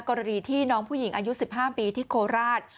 กรณีที่น้องผู้หญิงอายุ๑๕ปีที่โคราช